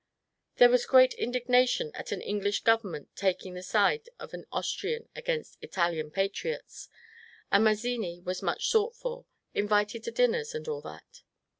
There was great indignation at an English government taking the side of the Austrian against Italian patriots ; and Maz zini was much sought for, invited to dinners, and all that.